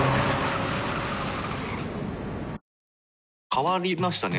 変わりましたね。